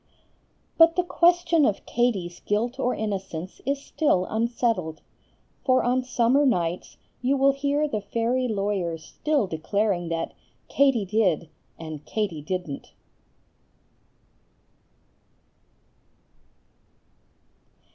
But the question of Katie's guilt or innocence is still unsettled; for on summer nights you will hear the fairy lawyers still declaring that "Katie did" and "Katie didn't."